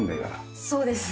そうです。